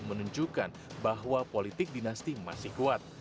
menunjukkan bahwa politik dinasti masih kuat